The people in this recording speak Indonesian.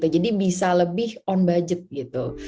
jadi bisa lebih on budget gitu